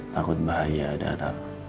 takut bahaya ada anak